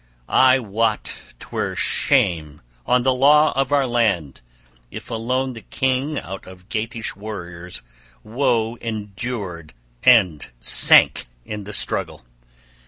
I wot 'twere shame on the law of our land if alone the king out of Geatish warriors woe endured and sank in the struggle!